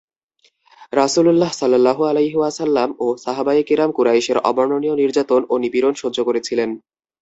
রাসূলুল্লাহ সাল্লাল্লাহু আলাইহি ওয়াসাল্লাম ও সাহাবায়ে কেরাম কুরাইশের অবর্ণনীয় নির্যাতন ও নিপীড়ন সহ্য করছিলেন।